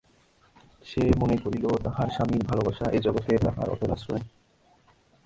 সে মনে করিল, তাহার স্বামীর ভালবাসা এ জগতে তাহার অটল আশ্রয়।